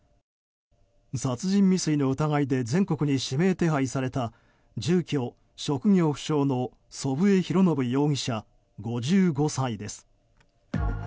殺人未遂の疑いで全国に指名手配された住居・職業不詳の祖父江博伸容疑者、５５歳です。